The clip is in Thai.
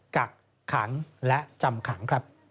กักขังและจำขัง